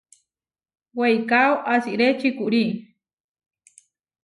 Weikáo asiré čikurí.